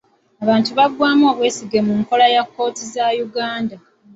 Abantu baggwamu obwesige mu nkola ya kkooti za Uganda.